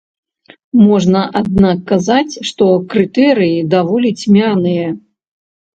Можна, аднак, казаць, што крытэрыі даволі цьмяныя.